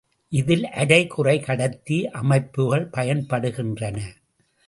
இதில் அரை குறைக்கடத்தி அமைப்புகள் பயன்படுகின்றன.